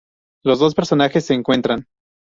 Los dos personajes se encuentran.